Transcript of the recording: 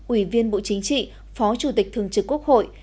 ủy viên bộ chính trị phó chủ tịch thường trực quốc hội